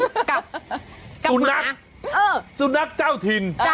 กับสุดนักเมื่อสุดนักเจ้าถืน